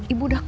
ibu udah kuat